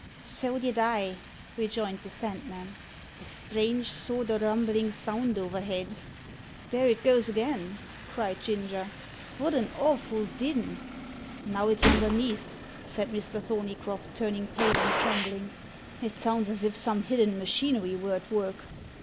"So did I," rejoined the Sandman; "a strange sort o' rumblin' sound overhead." "There it goes again!" cried Ginger; "wot an awful din!" "Now it's underneath," said Mr. Thorneycroft, turning pale, and trembling. "It sounds as if some hidden machinery were at work."